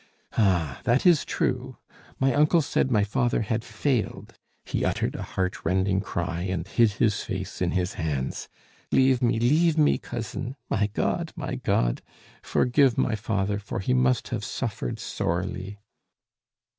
"Ah! that is true. My uncle said my father had failed." He uttered a heart rending cry, and hid his face in his hands. "Leave me, leave me, cousin! My God! my God! forgive my father, for he must have suffered sorely!"